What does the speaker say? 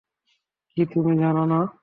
কি, তুমি জান না?